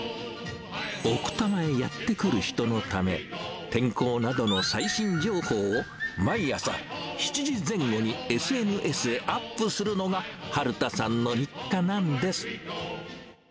奥多摩へやって来る人のため、天候などの最新情報を、毎朝７時前後にＳＮＳへアップするのが、春田さんの日課なんです。